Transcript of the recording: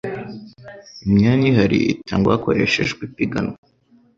imyanya ihari itangwa hakoreshejwe ipiganwa